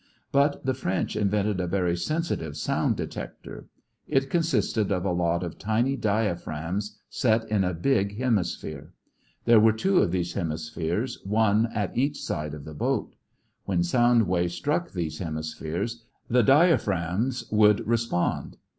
But the French invented a very sensitive sound detector. It consisted of a lot of tiny diaphragms set in a big hemisphere. There were two of these hemispheres, one at each side of the boat. When sound waves struck these hemispheres, the diaphragms would respond.